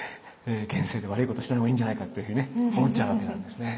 現世で悪いことしない方がいいんじゃないかっていうふうにね思っちゃうわけなんですね。